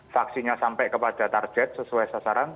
vaksinnya sampai kepada target sesuai sasaran